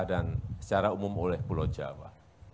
dan secara umum oleh pulau jawa